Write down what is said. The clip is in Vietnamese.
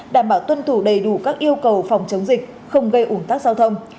đảm bảo tuân thủ đầy đủ các yêu cầu phòng chống dịch không gây ủng tác giao thông